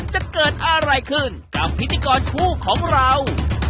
จะเกิดอะไรขึ้นกับพิธีกรคู่ของเรา